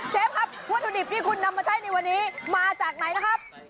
ครับวัตถุดิบที่คุณนำมาใช้ในวันนี้มาจากไหนนะครับ